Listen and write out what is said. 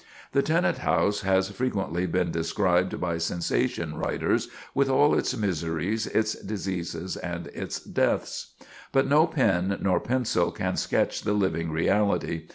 The tenant house has frequently been described by sensation writers, with all its miseries, its diseases and its deaths. But no pen nor pencil can sketch the living reality.